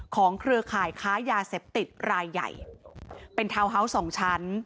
เครือข่ายค้ายาเสพติดรายใหญ่เป็นทาวน์ฮาวส์สองชั้น